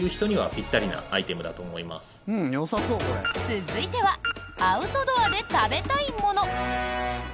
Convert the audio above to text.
続いてはアウトドアで食べたいもの。